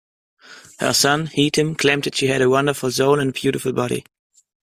Her son Hethum claimed that "she had a wonderful soul and a beautiful body.